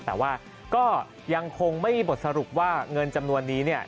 แต่ว่าก็ยังคงไม่มีบทสรุปว่าเงินจำนวนนี้เนี่ย